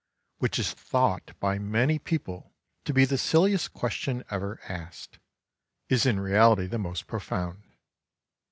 which is thought by many people to be the silliest question ever asked, is in reality the most profound.